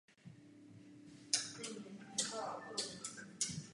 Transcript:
Rozsáhlou vlasteneckou operu nebylo možné uvést za okupace.